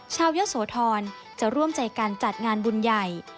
เยอะโสธรจะร่วมใจกันจัดงานบุญใหญ่